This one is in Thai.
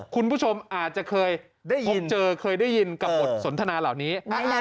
คุณผู้ชมอาจจะเคยได้พบเจอเคยได้ยินกับบทสนทนาเหล่านี้